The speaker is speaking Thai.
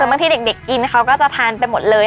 บางทีเด็กกินเขาก็จะทานไปหมดเลย